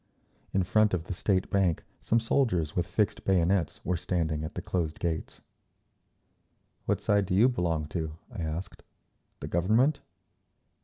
In front of the State Bank some soldiers with fixed bayonets were standing at the closed gates. "What side do you belong to?" I asked. "The Government?"